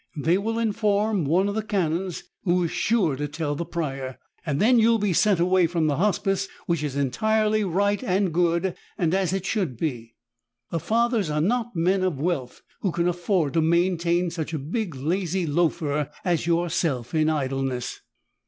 They will inform one of the Canons, who is sure to tell the Prior. Then you will be sent away from the Hospice, which is entirely right and good and as it should be. The Fathers are not men of wealth, who can afford to maintain such a big, lazy loafer as yourself in idleness!"